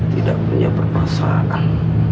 tidak punya perperasaan